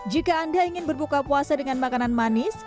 jika anda ingin berbuka puasa dengan makanan manis